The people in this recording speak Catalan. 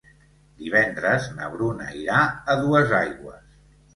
Divendres na Bruna irà a Duesaigües.